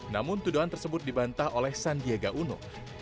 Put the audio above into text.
namun tuduhan tersebut dibantah oleh sandiaga uno